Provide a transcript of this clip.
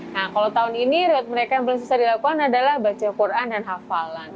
nah kalau tahun ini rewet mereka yang paling susah dilakukan adalah baca quran dan hafalan